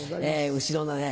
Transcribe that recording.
後ろのね